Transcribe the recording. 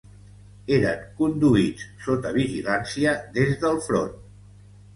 Eren conduïts sota vigilància des del front.